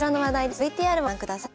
ＶＴＲをご覧ください。